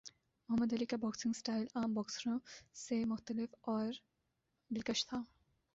محمد Ali کا boxing style عام باکسروں سے مختلف اور دلکش تھا